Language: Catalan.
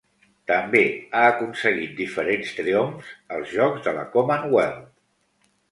També ha aconseguit diferents triomfs als Jocs de la Commonwealth.